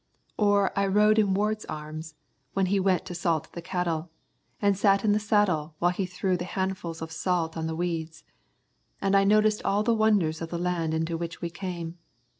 Or I rode in Ward's arms, when he went to salt the cattle, and sat in the saddle while he threw the handfuls of salt on the weeds, and I noticed all the wonders of the land into which we came.